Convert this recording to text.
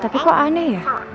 tapi kok aneh ya